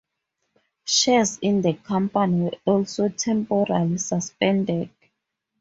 Shares in the company were also temporarily suspended.